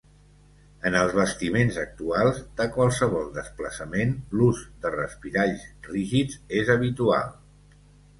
En els bastiments actuals, de qualsevol desplaçament, l’ús de respiralls rígids és habitual.